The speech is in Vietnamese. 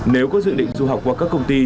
nếu có dự định du học qua các công ty